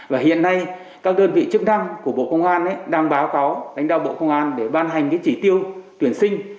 và hiện nay các đơn vị chức năng của bộ công an đang báo cáo đánh đạo bộ công an để ban hành cái chỉ tiêu tuyển sinh